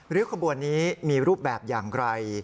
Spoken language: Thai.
ริ้วขบวนนี้มีรูปแบบอย่างไกล